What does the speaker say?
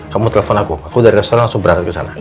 kamu telepon aku aku dari restoran langsung berangkat kesana